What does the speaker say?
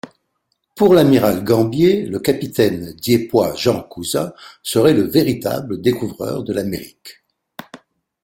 Pour l'amiral Gambier, le capitaine dieppois Jean Cousin serait le véritable découvreur de l'Amérique.